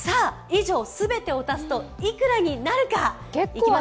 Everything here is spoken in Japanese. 以上、全てを足すといくらになるか？